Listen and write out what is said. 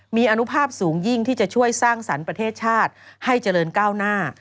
มีอนุภาพสูงยิ่งที่จะช่วยสร้างสรรค์ประเทศชาติให้เจริญก้าวหน้า